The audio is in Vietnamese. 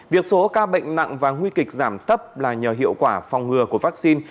việc số ca bệnh nặng và nguy kịch giảm thấp là nhờ hiệu quả phòng ngừa của vaccine